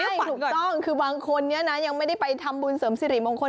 ครับถูกต้องบางคนไม่ได้ไปทำบุญเสริมสิริมงคล